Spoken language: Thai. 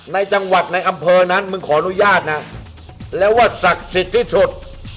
ในจังหวัดในอำเภอนั้นมึงขออนุญาตนะแล้วว่าศักดิ์สิทธิ์ที่สุด